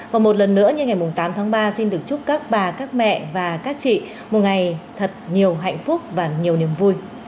và một lần nữa như ngày tám tháng ba xin được chúc các bà các mẹ và các chị một ngày thật nhiều hạnh phúc và nhiều niềm vui